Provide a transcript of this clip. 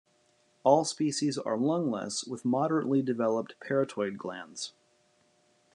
All species are lungless with moderately developed parotoid glands.